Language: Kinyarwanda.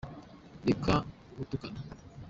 Reka gutukana.